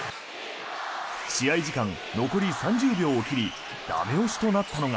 試合時間残り３０秒を切り駄目押しとなったのが。